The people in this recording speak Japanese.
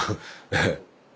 ええ。